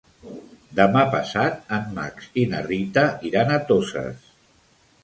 Demà passat en Max i na Rita iran a Toses.